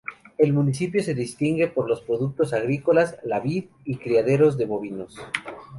El municipio se distingue por los productos agrícolas, la vid y criaderos de bovinos.